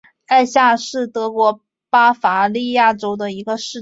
艾夏是德国巴伐利亚州的一个市镇。